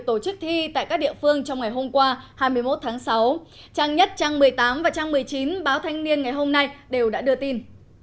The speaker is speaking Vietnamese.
trang nhất trang một mươi tám và trang một mươi chín báo thanh niên ngày hôm nay đều đã đưa tin